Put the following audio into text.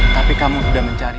tapi kamu udah mencari